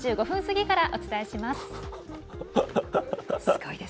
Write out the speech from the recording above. ３５分過ぎからお伝えします。